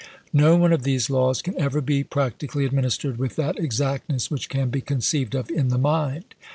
No one of these laws can ever be practically administered with that exactness which can be conceived of in the mind.